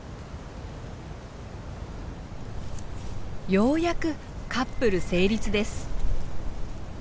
ようやくカップル成立です。